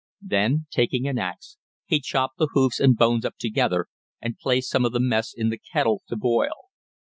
Then, taking an axe, he chopped the hoofs and bones up together, and placed some of the mess in the kettle to boil.